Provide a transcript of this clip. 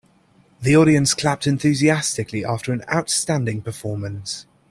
The audience clapped enthusiastically after an outstanding performance.